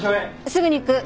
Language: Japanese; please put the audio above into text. すぐに行く。